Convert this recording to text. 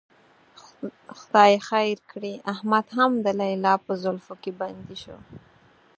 خدای خیر کړي، احمد هم د لیلا په زلفو کې بندي شو.